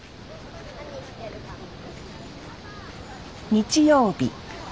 日曜日。